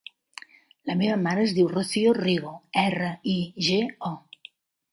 La meva mare es diu Rocío Rigo: erra, i, ge, o.